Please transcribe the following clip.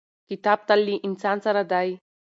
کتاب تل له انسان سره دی.